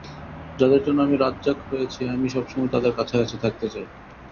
যাঁদের জন্য আমি রাজ্জাক হয়েছি আমি সবসময় তাঁদের কাছাকাছি থাকতে চাই।